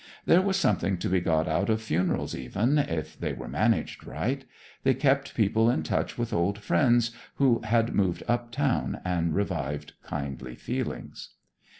There was something to be got out of funerals, even, if they were managed right. They kept people in touch with old friends who had moved uptown, and revived kindly feelings.